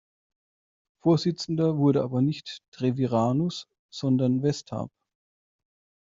Vorsitzender wurde aber nicht Treviranus, sondern Westarp.